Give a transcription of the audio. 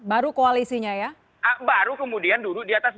baru kemudian duduk di atas